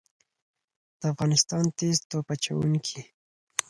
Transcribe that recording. د افغانستان تیز توپ اچوونکي